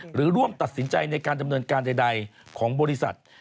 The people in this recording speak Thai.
ร่วมตัดสินใจในการดำเนินการใดของบริษัท